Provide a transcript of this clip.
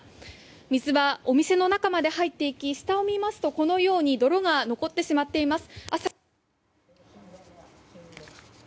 水は、お店の中まで入っていき下を見ますと泥が残ってしまっています。